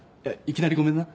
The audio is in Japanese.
いきなりごめんな。